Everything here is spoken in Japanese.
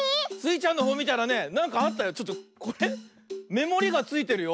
めもりがついてるよ。